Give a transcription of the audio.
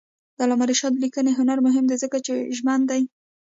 د علامه رشاد لیکنی هنر مهم دی ځکه چې ژمن دی.